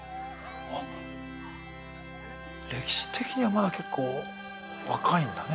あ歴史的にはまだ結構若いんだね。